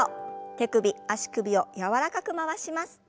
手首足首を柔らかく回します。